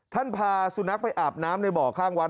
พาสุนัขไปอาบน้ำในบ่อข้างวัด